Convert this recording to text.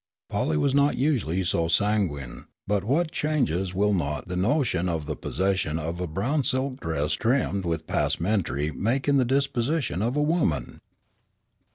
Polly was not usually so sanguine, but what changes will not the notion of the possession of a brown silk dress trimmed with passementrie make in the disposition of a woman?